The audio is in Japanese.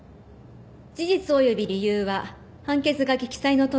事実及び理由は判決書記載のとおりです。